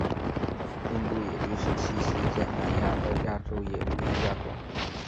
印度野驴是栖息在南亚的亚洲野驴亚种。